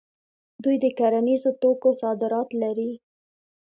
دوی د کرنیزو توکو صادرات لري.